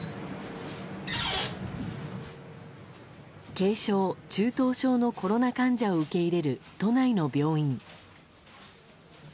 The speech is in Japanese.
軽症・中等症のコロナ患者を受け入れる都内の病院。